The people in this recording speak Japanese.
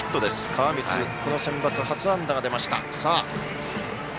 川満にこのセンバツ、初安打が出ました。